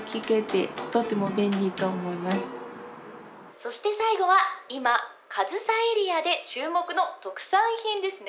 そして最後は今かずさエリアで注目の特産品ですね！